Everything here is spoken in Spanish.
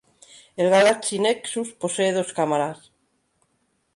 El Galaxy Nexus posee dos cámaras.